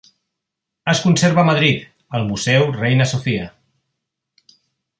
Es conserva a Madrid, al Museu Reina Sofia.